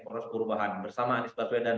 poros poros bahan bersama anies baswedan